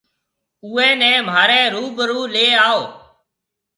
اُوئي نَي مهاريَ روبرو ليَ آئو۔